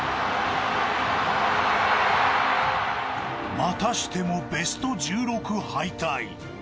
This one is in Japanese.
またしてもベスト１６敗退。